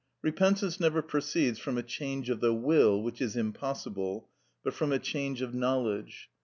Repentance never proceeds from a change of the will (which is impossible), but from a change of knowledge.